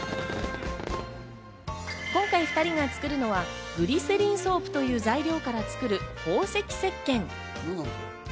今回２人が作るのはグリセリンソープという材料から作る宝石石けん。